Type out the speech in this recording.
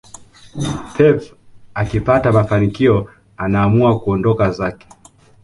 pep akipata mafanikio anaamua kuondoka zake